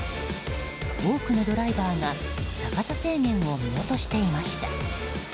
多くのドライバーが高さ制限を見落としていました。